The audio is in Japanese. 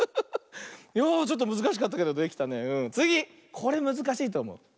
これむずかしいとおもう。